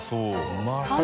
うまそう。